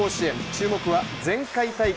注目は前回大会